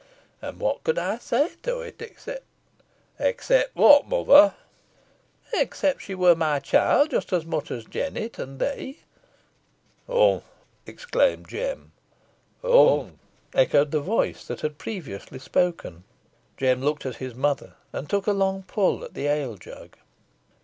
An what could ey say to it aw, except " "Except what, mother?" interrupted Jem. "Except that she wur my child just os much os Jennet an thee!" "Humph!" exclaimed Jem. "Humph!" echoed the voice that had previously spoken. Jem looked at his mother, and took a long pull at the ale jug.